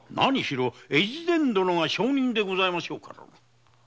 大岡殿が証人でございましょうから。